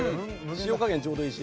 塩加減ちょうどいいし。